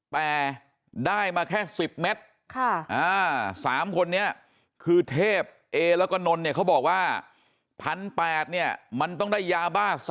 แต่ได้มาแค่๑๐เมตร๓คนนี้คือเทพเอแล้วก็นนเนี่ยเขาบอกว่า๑๘๐๐เนี่ยมันต้องได้ยาบ้า